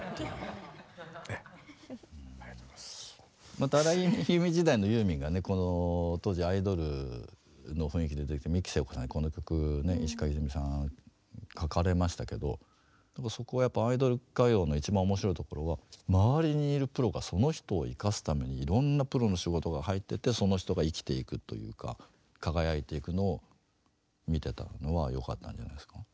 また荒井由実時代のユーミンがね当時アイドルの雰囲気で出てきた三木聖子さんにこの曲ね石川ひとみさん書かれましたけどそこはやっぱアイドル歌謡の一番面白いところは周りにいるプロがその人を生かすためにいろんなプロの仕事が入っててその人が生きていくというか輝いていくのを見てたのはよかったんじゃないですかね。